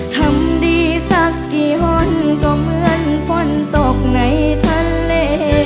ทำดีสักกี่คนก็เหมือนฝนตกในทะเล